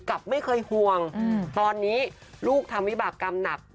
กับไม่เคยห่วงตอนนี้ลูกทำวิบากรรมหนัก